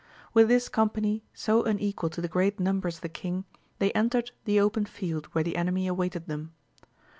With this company, so unequal to the great numbers of the king, they entered the open field where the enemy awaited them.